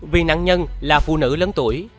vì nạn nhân là phụ nữ lớn tuổi